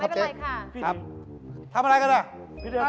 ไม่เป็นไรครับ